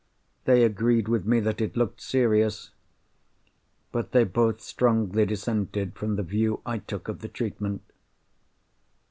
They agreed with me that it looked serious; but they both strongly dissented from the view I took of the treatment.